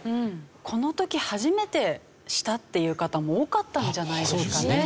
この時初めてしたっていう方も多かったんじゃないですかね。